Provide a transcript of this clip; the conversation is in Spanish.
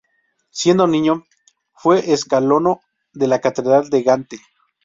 Siendo niño, fue escolano de la Catedral de Gante.